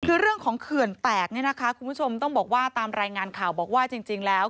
คือเรื่องของเขื่อนแตกเนี่ยนะคะคุณผู้ชมต้องบอกว่าตามรายงานข่าวบอกว่าจริงแล้ว